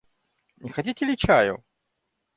Не хотите ли чаю?